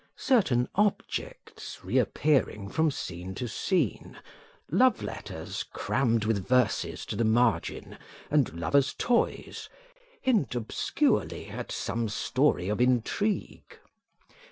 Certain objects reappearing from scene to scene love letters crammed with verses to the margin, and lovers' toys hint obscurely at some story of intrigue.